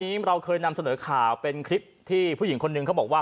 วันนี้เราเคยนำเสนอข่าวเป็นคลิปที่ผู้หญิงคนหนึ่งเขาบอกว่า